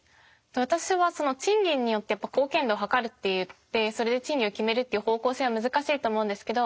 私はその賃金によって貢献度をはかるっていってそれで賃金を決めるっていう方向性は難しいと思うんですけど。